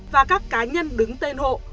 và các cá nhân đứng tên hộ